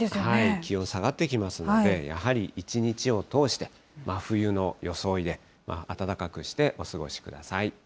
気温下がってきますので、やはり一日を通して、真冬の装いで、暖かくしてお過ごしください。